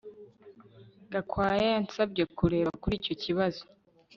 Gakwaya yansabye kureba kuri icyo kibazo